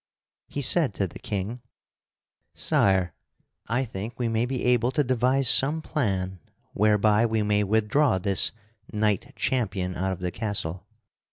He said to the King: "Sire, I think we may be able to devise some plan whereby we may withdraw this knight champion out of the castle.